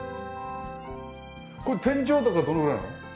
これ天井高はどのぐらいなの？